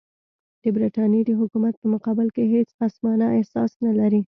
د برټانیې د حکومت په مقابل کې هېڅ خصمانه احساس نه لري.